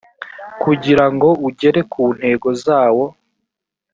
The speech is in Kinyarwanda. kugira ngo ugere ku ntego zawo